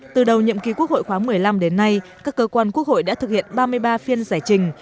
từ đầu nhiệm kỳ quốc hội khóa một mươi năm đến nay các cơ quan quốc hội đã thực hiện ba mươi ba phiên giải trình